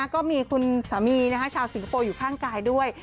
ก็มีคุณสามีชาวสิงคโปร์อยู่ข้างกายด้วย